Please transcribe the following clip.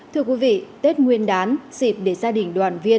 thưa quý vị tết nguyên đán dịp để gia đình đoàn viên